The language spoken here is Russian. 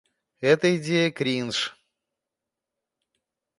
Эта идея — кринж.